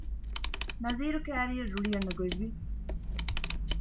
ނަޒީރު ކައިރިއަށް ރުޅި އަންނަ ގޮތް ވި